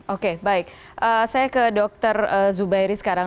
oke baik saya ke dr zubairi sekarang